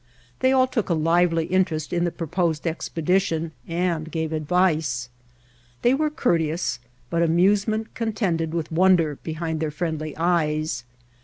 They all took a lively inter est in the proposed expedition and gave advice. They were courteous, but amusement contended with wonder behind their friendly eyes.